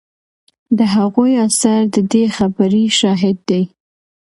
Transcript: د هغوی اثار د دې خبرې شاهد دي